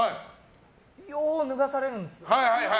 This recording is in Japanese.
よう脱がされるんです。